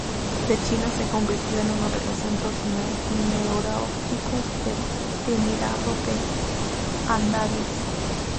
Pechina se convirtió en uno de los centros neurálgicos del emirato de al-Ándalus.